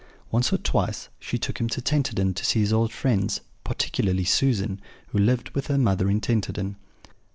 Once or twice she took him to Tenterden to see his old friends, particularly Susan, who lived with her mother in Tenterden.